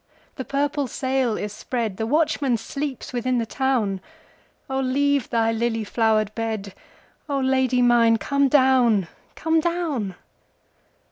the purple sail is spread, The watchman sleeps within the town,O leave thy lily flowered bed,O Lady mine come down, come down!